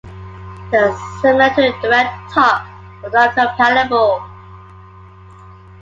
They are similar to DirectTalk but not compatible.